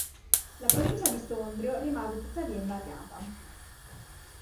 La provincia di Sondrio rimase tuttavia invariata.